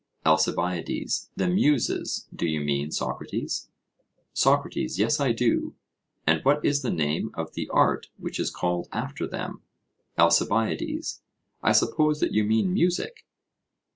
ALCIBIADES: The Muses do you mean, Socrates? SOCRATES: Yes, I do; and what is the name of the art which is called after them? ALCIBIADES: I suppose that you mean music.